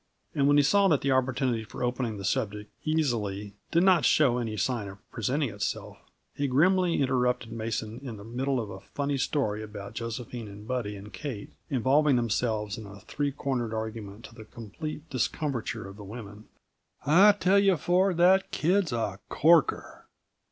And when he saw that the opportunity for opening the subject easily did not show any sign of presenting itself, he grimly interrupted Mason in the middle of a funny story about Josephine and Buddy and Kate, involving themselves in a three cornered argument to the complete discomfiture of the women. "I tell you, Ford, that kid's a corker!